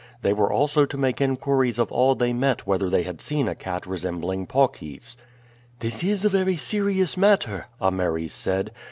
They were also to make inquiries of all they met whether they had seen a cat resembling Paucis. "This is a very serious matter," Ameres said.